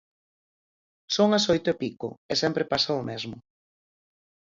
Son as oito e pico, e sempre pasa o mesmo.